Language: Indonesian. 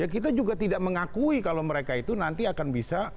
kita juga tidak mengakui kalau mereka itu nanti akan bisa